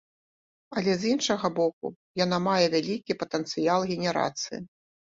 Але з іншага боку, яна мае вялікі патэнцыял генерацыі.